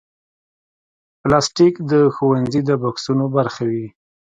پلاستيک د ښوونځي د بکسونو برخه وي.